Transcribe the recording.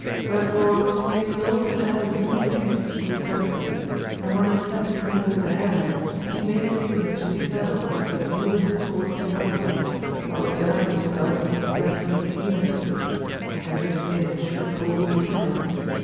Wherefore he resolved to have a moving image of eternity, and when he set in order the heaven, he made this image eternal but moving according to number, while eternity itself rests in unity; and this image we call time.